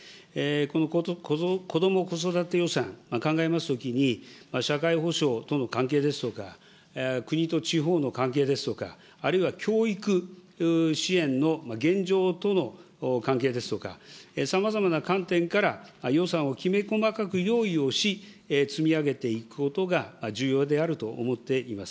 このこども・子育て予算、考えますときに、社会保障との関係ですとか、国と地方の関係ですとか、あるいは教育支援の現状との関係ですとか、さまざまな観点から、予算をきめ細かく用意をし、積み上げていくことが重要であると思っています。